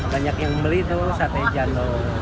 banyak yang beli tuh sate jandung